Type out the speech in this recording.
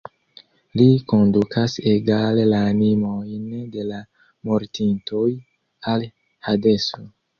Li kondukas egale la animojn de la mortintoj al Hadeso.